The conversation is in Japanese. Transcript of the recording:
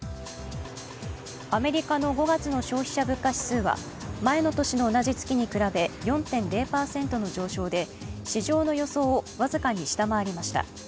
アメリカの５月の消費者物価指数は前の年の同じ月に比べ４．０％の上昇で市場の予想を僅かに下回りました。